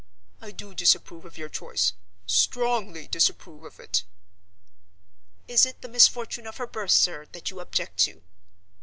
"I do disapprove of your choice —strongly disapprove of it." "Is it the misfortune of her birth, sir, that you object to?"